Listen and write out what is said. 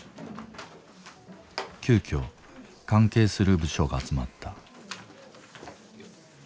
急きょ関係する部署が集まった。